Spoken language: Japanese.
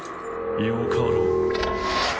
よかろう。